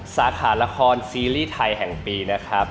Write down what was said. สาขาละครซีรีส์ไทยแห่งปีนะครับ